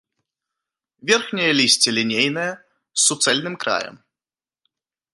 Верхняе лісце лінейнае, з суцэльным краем.